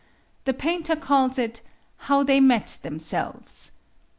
The painter calls it, "How they met themselves."